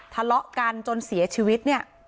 ทะเลาะกันจนเสียชีวิต